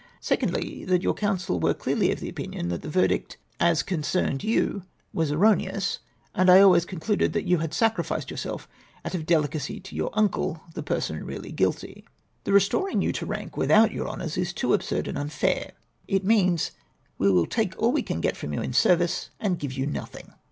" Secondly, that your counsel were clearly of opinion that the verdict as concerned you vjcts erroneoas, and I always concluded that you had sacrificed yourself out of delicacy to your uncle, the person really guilty. " The restoring you to rank without your honours is too absurd and unfair. It means ' we will take all we can get from you in service, and give you nothing.'